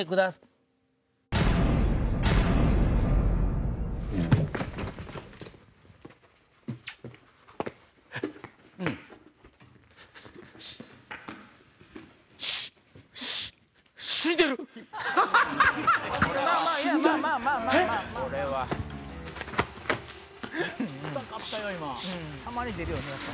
たまに出るよね。